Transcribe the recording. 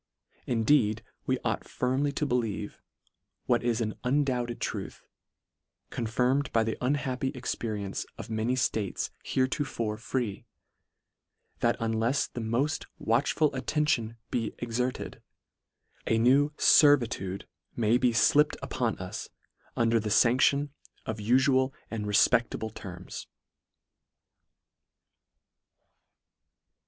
Indeed we ought firmly to believe, what is an undoubted truth, confirm ed by the unhappy experience of many ftates heretofore free, that unlefs the moft watch ful attention be exerted, a new fervitude may be llipped upon us under the fandb'on of ufual and refpedtable terms.